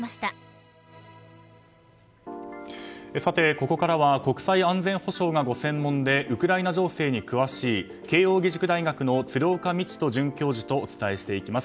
ここからは国際安全保障がご専門でウクライナ情勢に詳しい慶應義塾大学の鶴岡路人准教授とお伝えしていきます。